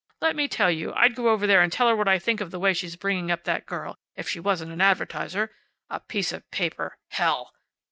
Let me tell you I'd go over there and tell her what I think of the way she's bringing up that girl if she wasn't an advertiser. `A Piece of Paper'! Hell!"